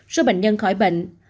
số bệnh nhân khỏi bệnh